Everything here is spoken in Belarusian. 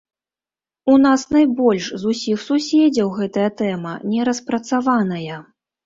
У нас найбольш з усіх суседзяў гэтая тэма не распрацаваная.